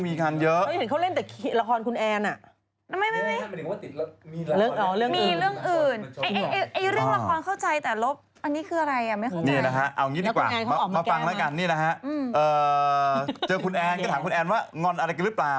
มีปัญหากันหรือเปล่า